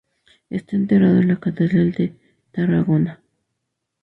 Está enterrado en la catedral de Tarragona.